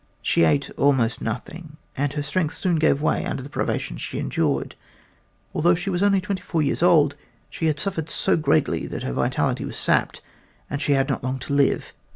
She ate almost nothing, and her strength soon gave way under the privations that she endured. Although she was only twenty four years old, she had suffered so greatly that her vitality was sapped and she had not long to live.